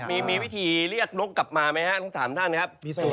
มีวิธีเรียกนกกลับมาไหมฮะทั้ง๓ท่านครับ